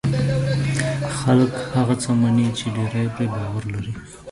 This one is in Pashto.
خلک هغه څه مني چې ډېری پرې باور لري.